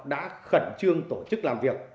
đã khẩn trương tổ chức làm việc